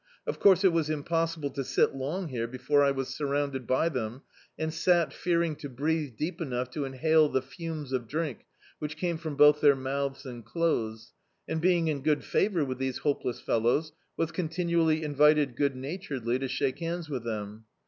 Of course it was impossible to sit long here before I was surrounded by them; and sat fearing to breathe deep enou^ to inhale the fumes of drink which came from both their mouths and clothes; and being in good favour with these hopeless fellows, was continually invited good na turedly to shake hands with them.